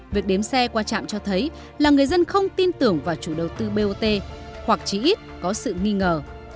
việc đếm xe qua trạm cho thấy là người dân không tin tưởng vào chủ đầu tư bot hoặc chỉ ít có sự nghi ngờ